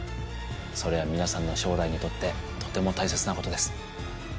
それは皆さんの将来にとってとても大切なことです